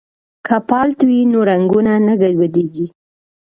که پالت وي نو رنګونه نه ګډوډیږي.